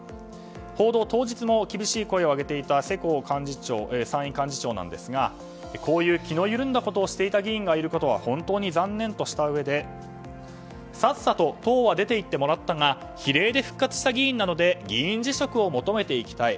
報道当日も厳しい声を上げていた世耕参院幹事長ですがこういう気の緩んだことをしていた議員がいることは本当に残念としたうえでさっさと党は出て行ってもらったが比例で復活した議員なので議員辞職を求めていきたい。